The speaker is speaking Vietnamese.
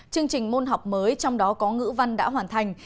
chương trình môn học mới trong đó có ngữ văn đã hoàn thành